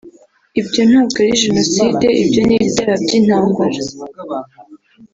Ibyo ntabwo ari Jenoside ibyo ni ibyaha by’intambara